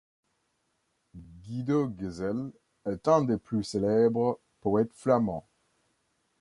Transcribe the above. Guido Gezelle est un des plus célèbres poètes flamands.